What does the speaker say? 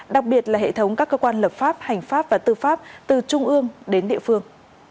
đặc biệt là hệ thống các cơ quan lập pháp hành pháp và tư pháp từ trung ương đến địa phương